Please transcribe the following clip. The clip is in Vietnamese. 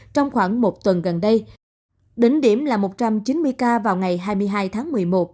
trong khoảng một tuần gần đây đỉnh điểm là một trăm chín mươi ca vào ngày hai mươi hai tháng một mươi một